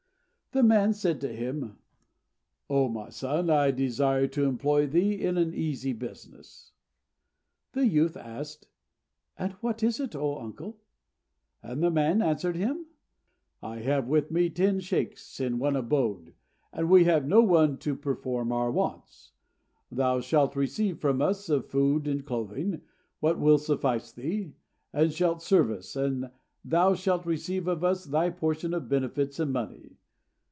The man said to him, "O my son, I desire to employ thee in an easy business." The youth asked, "And what is it, O uncle?" And the man answered him, "I have with me ten sheykhs in one abode, and we have no one to perform our wants. Thou shalt receive from us, of food and clothing, what will suffice thee, and shalt serve us, and thou shalt receive of us thy portion of benefits and money.